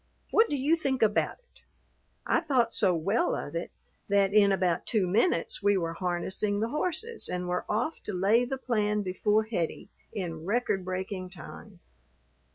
What do you think about it?" I thought so well of it that in about two minutes we were harnessing the horses and were off to lay the plan before Hettie in record breaking time.